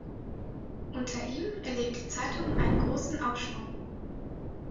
Unter ihm erlebt die Zeitung einen großen Aufschwung.